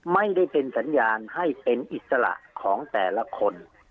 ไม่ได้เป็นสัญญาณให้เป็นอิสระของแต่ละคน